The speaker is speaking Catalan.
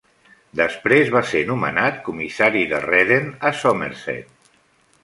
Després va ser nomenat comissari de Redden, a Somerset.